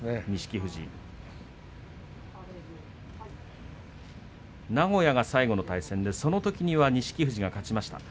富士名古屋が最後の対戦そのときは錦富士が勝ちました。